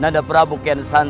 tidak terima utusan